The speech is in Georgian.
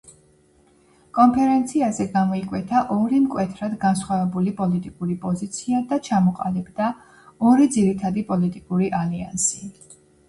კონფერენციაზე გამოიკვეთა ორი მკვეთრად განსხვავებული პოლიტიკური პოზიცია და ჩამოყალიბდა ორი ძირითადი პოლიტიკური ალიანსი.